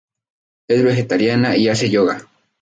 Es vegetariana y hace yoga.